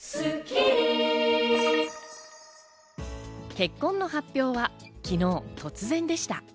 結婚の発表は昨日、突然でした。